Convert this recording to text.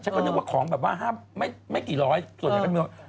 ฉันก็นึกว่าของแบบว่าไม่กี่ร้อยส่วนใหญ่ก็ไม่ร้อย